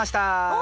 お！